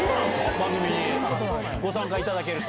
番組、ご参加いただけると。